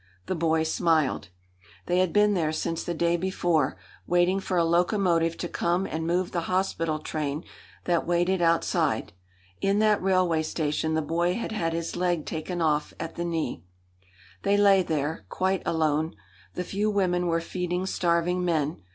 The boy smiled. They had been there since the day before, waiting for a locomotive to come and move the hospital train that waited outside. In that railway station the boy had had his leg taken off at the knee. They lay there, quite alone. The few women were feeding starving men.